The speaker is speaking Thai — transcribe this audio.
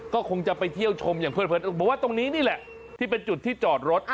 ก็คงจะไปเที่ยวชมอย่างเพื่อนบอกว่าตรงนี้นี่แหละที่เป็นจุดที่จอดรถ